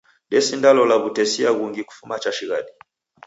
Desindalola w'utesia ghungi kufuma cha shighadi.